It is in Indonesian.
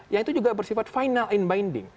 yang itu juga bersifat final and binding